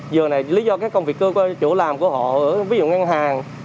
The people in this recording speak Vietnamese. giờ này lý do các công việc cơ của chỗ làm của họ ví dụ ngân hàng